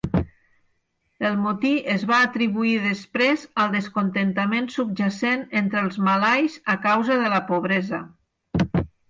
El motí es va atribuir després al descontentament subjacent entre els malais a causa de la pobresa.